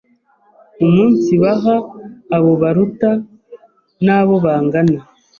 umunsibaha abo baruta n’abo bangana.